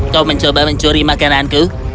kau mencoba mencuri makanan ku